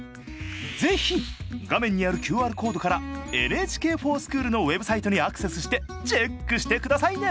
是非画面にあるＱＲコードからＮＨＫｆｏｒＳｃｈｏｏｌのウェブサイトにアクセスしてチェックしてくださいね。